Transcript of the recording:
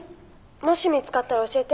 ☎もし見つかったら教えて。